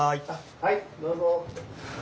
はいどうぞ。